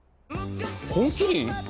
「本麒麟」